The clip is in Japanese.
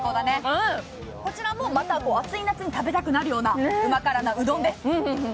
こちらもまた、暑い夏に食べたくなるようなうま辛なうどんです。